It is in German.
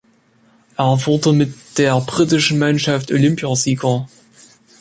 Er wurde mit der britischen Mannschaft Olympiasieger.